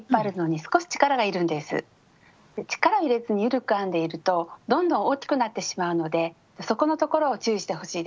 力を入れずに緩く編んでいるとどんどん大きくなってしまうのでそこのところを注意してほしいです。